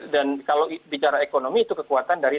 dan kalau bicara ekonomi itu kekuatan dari